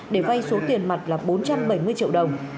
để vay số tiền mặt là bốn trăm bảy mươi triệu đồng